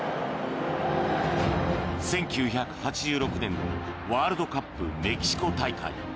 １９８６年のワールドカップメキシコ大会。